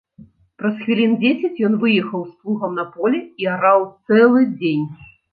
Праз хвілін дзесяць ён выехаў з плугам на поле і араў цэлы дзень.